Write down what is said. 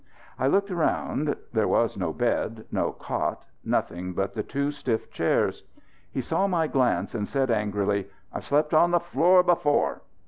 I looked round. There was no bed, no cot, nothing but the two stiff chairs. He saw my glance and said angrily: "I've slept on the floor before."